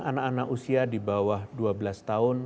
anak anak usia di bawah dua belas tahun